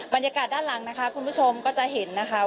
บรรยากาศด้านหลังนะคะคุณผู้ชมก็จะเห็นนะคะ